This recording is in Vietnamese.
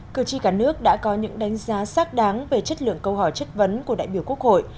cử tri cả nước đã có những đánh giá xác đáng về chất lượng câu hỏi chất vấn của đại biểu quốc hội